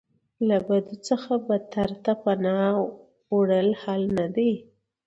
له بد څخه بدتر ته پناه وړل حل نه دی.